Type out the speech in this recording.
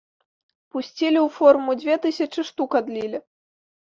Пусцілі ў форму, дзве тысячы штук адлілі.